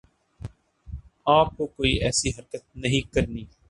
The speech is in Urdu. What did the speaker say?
آپ کو کوئی ایسی حرکت نہیں کرنی